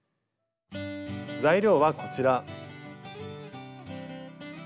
材料はこちら。